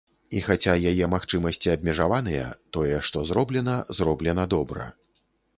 І хаця яе магчымасці абмежаваныя, тое, што зроблена, зроблена добра.